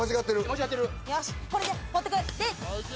よしこれで放っておく。